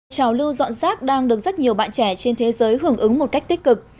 trào lưu dọn rác đang được rất nhiều bạn trẻ trên thế giới hưởng ứng một cách tích cực